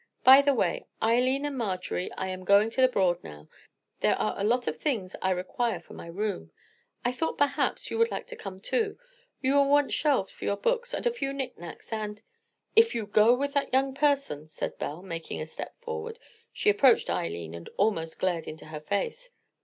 By the way, Eileen and Marjory, I am going to the Broad now. There are a lot of things I require for my room. I thought perhaps you would like to come too. You will want shelves for your books and a few knick knacks and——" "If you go with that young person——" said Belle, making a step forward. She approached Eileen and almost glared into her face.